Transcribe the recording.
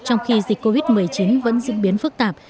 trong khi dịch covid một mươi chín vẫn diễn biến phức tạp